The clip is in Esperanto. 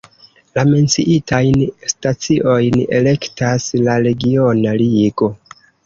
La menciitajn staciojn elektas la regiona ligo.